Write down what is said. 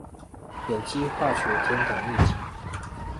有機化學天堂祕笈